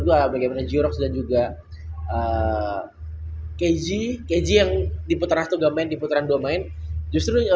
gua bagaimana jiroks dan juga keji keji yang diputar satu gambar di putaran dua main justru